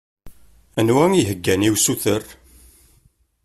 Anwa i yeheggan i usuter